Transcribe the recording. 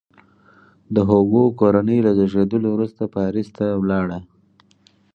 د هوګو کورنۍ له زیږېدلو وروسته پاریس ته ولاړه.